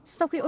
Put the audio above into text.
sau khi ôn lại